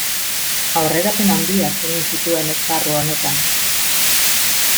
Aurrerapen handiak egin zituen esparru honetan.